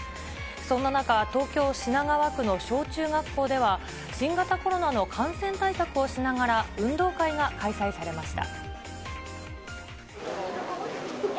そんな中、東京・品川区の小中学校では、新型コロナの感染対策をしながら、運動会が開催されました。